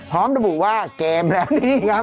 พร้อมระบุว่าเกมแล้วนี่ครับ